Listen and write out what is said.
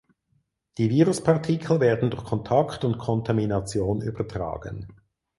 Die Viruspartikel werden durch Kontakt und Kontamination übertragen.